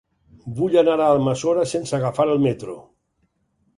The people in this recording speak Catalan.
Vull anar a Almassora sense agafar el metro.